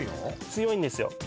強いんですよ